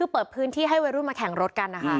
เปิดพื้นที่ให้วัยรุ่นมาแข่งรถกันนะคะ